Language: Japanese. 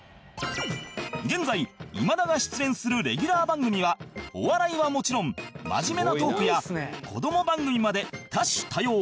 現在今田が出演するレギュラー番組はお笑いはもちろん真面目なトークや子ども番組まで多種多様